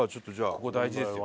ここ大事ですよ。